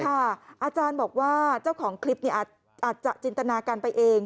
อาจารย์บอกว่าเจ้าของคลิปอาจจะจินตนาการไปเอง